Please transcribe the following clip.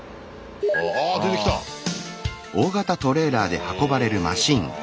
あ出てきた！へ。